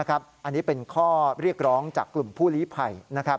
อันนี้เป็นข้อเรียกร้องจากกลุ่มผู้ลีภัย